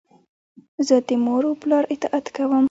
زه د مور و پلار اطاعت کوم.